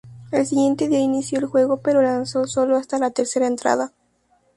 El siguiente día inició el juego pero lanzó solo hasta la tercera entrada.